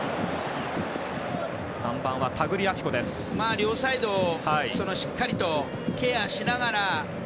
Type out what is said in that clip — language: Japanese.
両サイドをしっかりとケアしながら。